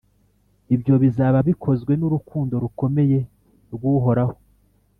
Ibyo bizaba bikozwe n’urukundo rukomeye rw’Uhoraho,